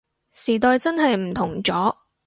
時代真係唔同咗